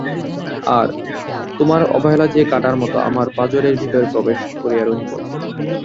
আর, তোমার অবহেলা যে কাঁটার মতো আমার পাঁজরের ভিতরে প্রবেশ করিয়া রহিল।